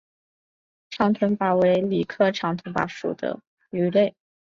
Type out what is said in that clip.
长臀鲃为鲤科长臀鲃属的鱼类。